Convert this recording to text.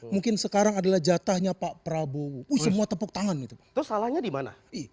mungkin sekarang adalah jatahnya pak prabowo semua tepuk tangan itu salahnya di mana